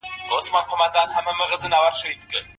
سختۍ ئې پر ځان ومنلې، خو له کابله و نه وتی.